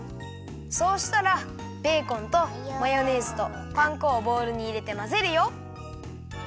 そうしたらベーコンとマヨネーズとパン粉をボウルにいれてまぜるよ。